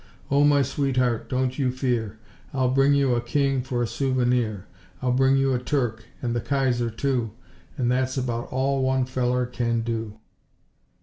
O, my sweetheart, don't you fear, I'll bring you a king for a souvenir. I'll bring you a Turk, and the Kaiser too, And that's about all one feller can do."